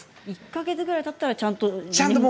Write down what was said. １か月ぐらいたったらちゃんと。